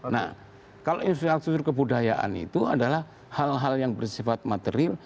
nah kalau infrastruktur kebudayaan itu adalah hal hal yang bersifat material